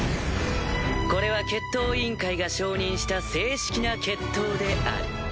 これは決闘委員会が承認した正式な決闘である。